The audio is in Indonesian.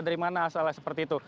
dari mana asalnya seperti itu